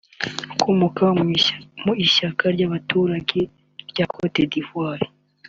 ukomoka mu ishyaka ry’abaturage rya Cote d’Ivoire